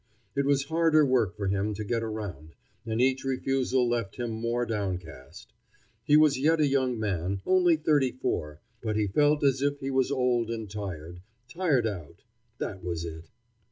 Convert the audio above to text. It was harder work for him to get around, and each refusal left him more downcast. He was yet a young man, only thirty four, but he felt as if he was old and tired tired out; that was it.